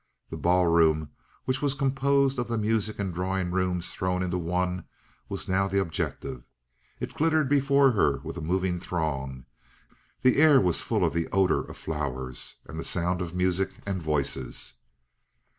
The ball room, which was composed of the music and drawing rooms thrown into one, was now the objective. It glittered before her with a moving throng; the air was full of the odor of flowers, and the sound of music and voices.